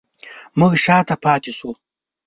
موږ شاته پاتې شوو